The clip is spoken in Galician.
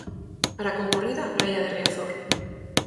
Para concorrida a praia de Riazor.